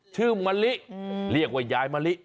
ชื่อมะลิเรียกว่าย้ายมะลิ